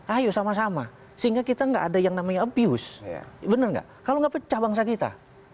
ayo sama sama sehingga kita enggak ada yang namanya abuse bener nggak kalau nggak pecah bangsa kita